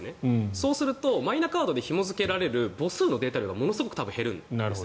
そうすると、マイナカードでひも付けられる母数のデータ量がものすごく減るんです。